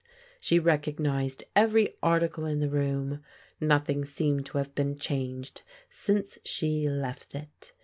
She recognized every article in the room. Nothing seemed to have been changed since she left it.